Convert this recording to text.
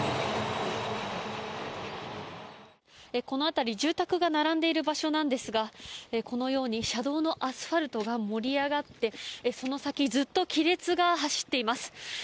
この辺り住宅が並んでいる場所なんですがこのように車道のアスファルトが盛り上がってその先ずっと亀裂が走っています。